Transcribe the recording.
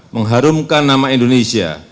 mengharumkan nama indonesia